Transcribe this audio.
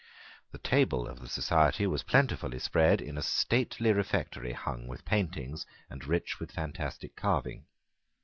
The table of the society was plentifully spread in a stately refectory hung with paintings, and rich with fantastic carving.